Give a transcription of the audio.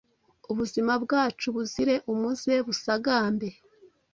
ubuzima bwacu buzire umuze busagambe.